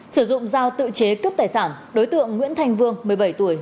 sử dụng dao tự chế cướp tài sản đối tượng nguyễn thành vương một mươi bảy tuổi